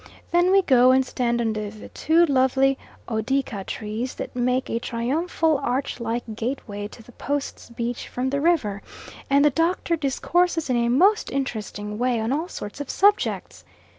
Then we go and stand under the two lovely odeaka trees that make a triumphal arch like gateway to the Post's beach from the river, and the Doctor discourses in a most interesting way on all sorts of subjects.